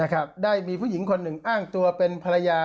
ได้มีผู้หญิงคนหนึ่งอ้างตัวเป็นภรรยา